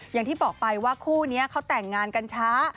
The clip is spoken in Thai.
อย่างที่บอกไปว่าคู่นี้เขาแต่งงานกันช้า